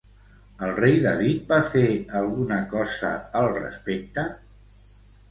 El rei David va fer alguna cosa al respecte?